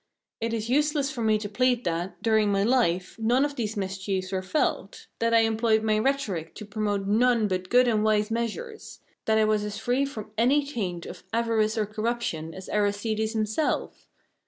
It is useless for me to plead that, during my life, none of these mischiefs were felt; that I employed my rhetoric to promote none but good and wise measures; that I was as free from any taint of avarice or corruption as Aristides himself.